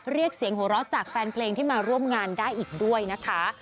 เรียกเสียงหัวเราะจากแฟนเพลงที่มาร่วมงานได้อีกด้วยนะคะ